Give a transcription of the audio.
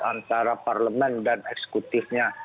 antara parlemen dan eksekutifnya